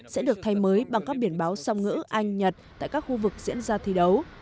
sẽ được thay mới bằng các biển báo song ngữ anh nhật tại các khu vực diễn ra thi đấu